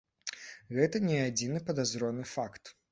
Гэта не адзіны падазроны факт.